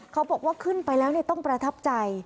เขาบอกว่าขึ้นไปแล้วต้องประทับใจ